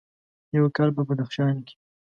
یو کال په بدخشان کې: